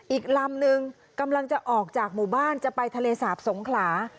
อีกลำนึงกำลังจะออกจากหมู่บ้านจะไปทะเลสาบสงขลา